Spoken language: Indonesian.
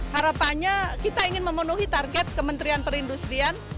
harapannya kita ingin memenuhi target kementerian perindustrian